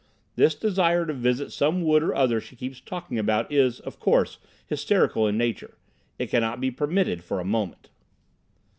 This desire to visit some wood or other she keeps talking about is, of course, hysterical in nature. It cannot be permitted for a moment."